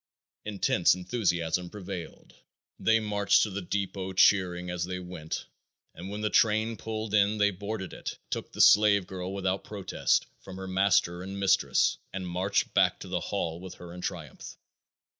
Intense enthusiasm prevailed. They marched to the depot cheering as they went and when the train pulled in they boarded it, took the slave girl without protest from her master and mistress and marched back to the hall with her in triumph.